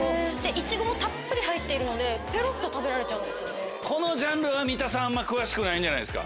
イチゴもたっぷり入っているのでペロっと食べられちゃうんです。